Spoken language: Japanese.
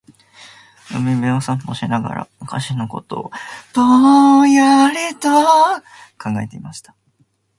•海辺を散歩しながら、昔のことをぼんやりと考えていました。